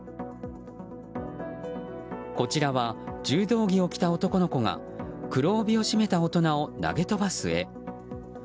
こちらは柔道着を着た男の子が黒帯を締めた大人を投げ飛ばす絵。